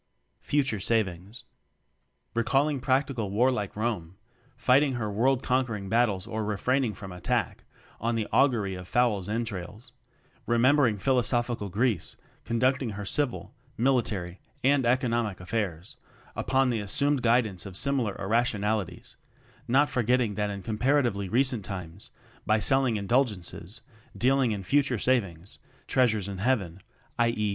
"Future Savings"! Recalling practical warlike Rome, fighting her world conquering battles or refraining from attack on the au gury of fowl's entrails; remembering philosophical Greece conducting her civil, military, and economic affairs up on the assumed guidance of similar irrationalities; not forgetting that in comparatively recent times, by "sell ing indulgences," dealing in "future savings," "treasures in heaven," i. e.